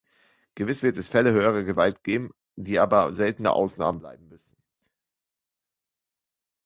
Gewiss wird es Fälle höherer Gewalt geben, die aber seltene Ausnahmen bleiben müssen.